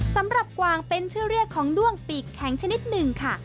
กวางเป็นชื่อเรียกของด้วงปีกแข็งชนิดหนึ่งค่ะ